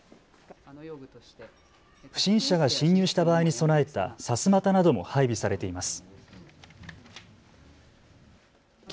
不審者が侵入した場合に備えたさすまたなども配備されています。